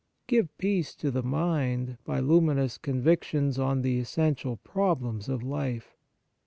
Give peace to the mind, by luminous convictions on the essential problems of life.